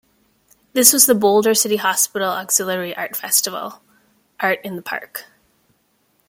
This was the Boulder City Hospital Auxiliary art festival, Art in the Park.